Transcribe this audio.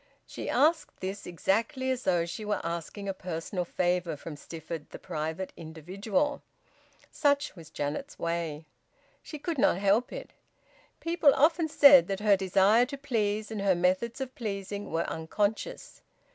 She asked this exactly as though she were asking a personal favour from Stifford the private individual. Such was Janet's way. She could not help it. People often said that her desire to please, and her methods of pleasing, were unconscious.